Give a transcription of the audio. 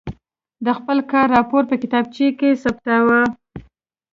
د خپل کار راپور په کتابچه کې ثبتاوه.